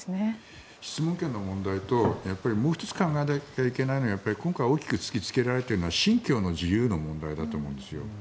質問権の問題ともう１つ考えなきゃいけないのは今回、大きく突きつけられているのは信教の自由の問題だと思うんですよ。